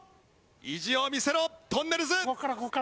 意地を見せろとんねるず！